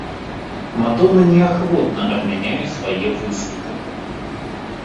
Мадонна неахвотна адмяняе свае выступы.